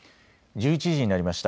１１時になりました。